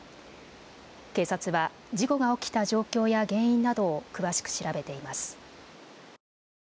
警察は事故が起きた状況や原因などを詳しく調べています。